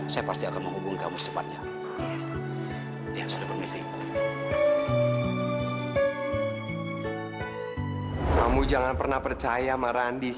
saya pasti akan menghubungkan muslimnya yang sudah berisi kamu jangan pernah percaya marandis